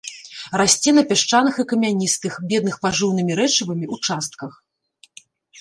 Расце на пясчаных і камяністых, бедных пажыўнымі рэчывамі участках.